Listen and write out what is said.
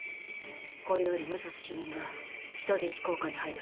これより武蔵主任が人質交換に入る。